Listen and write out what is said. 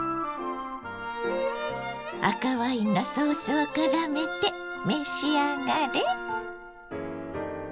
赤ワインのソースをからめて召し上がれ。